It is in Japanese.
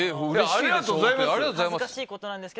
ありがとうございます。